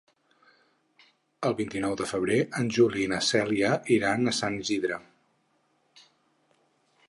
El vint-i-nou de febrer en Juli i na Cèlia iran a Sant Isidre.